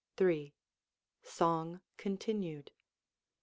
Song Continued.